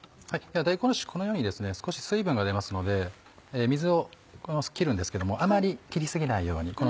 では大根おろしこのように少し水分が出ますので水を切るんですけどもあまり切り過ぎないように。